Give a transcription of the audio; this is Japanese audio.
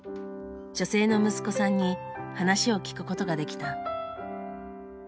女性の息子さんに話を聞くことができた。